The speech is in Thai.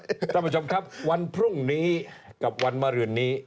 ท่านผู้ชมครับวันพรุ่งนี้กับวันมารืนนี้